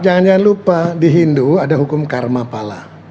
jangan jangan lupa di hindu ada hukum karma pala